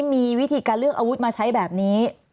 มีวิธีการเลือกอาวุธมาใช้แบบนี้